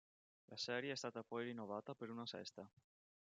La serie è stata poi rinnovata per una sesta.